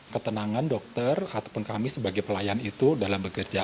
ketenangan dokter ataupun kami sebagai pelayan itu dalam bekerja